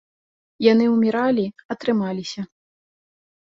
Яны ўміралі, а трымаліся.